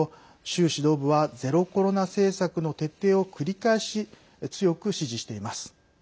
習指導部はゼロコロナ政策の徹底を繰り返し、強く指示しています。